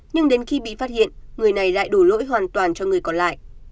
nhưng đến khi bị phát hiện người này lại đổ lỗi hoàn toàn cho người còn lại